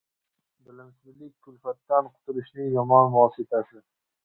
Bilimsizlik — kulfatdan qutulishning yomon vositasi.